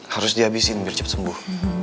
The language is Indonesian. harus di abisin biar cepet sembuh